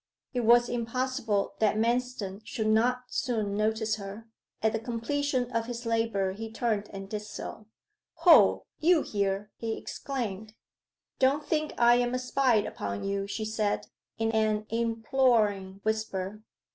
It was impossible that Manston should not soon notice her. At the completion of his labour he turned, and did so. 'Ho you here!' he exclaimed. 'Don't think I am a spy upon you,' she said, in an imploring whisper.